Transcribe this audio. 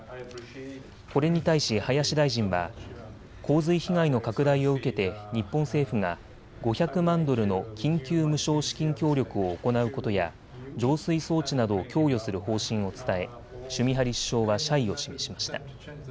これに対し林大臣は洪水被害の拡大を受けて日本政府が５００万ドルの緊急無償資金協力を行うことや浄水装置などを供与する方針を伝えシュミハリ首相は謝意を示しました。